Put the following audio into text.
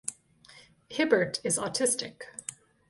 Hibbert is autistic.